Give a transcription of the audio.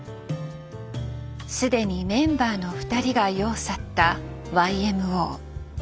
既にメンバーの２人が世を去ったＹＭＯ。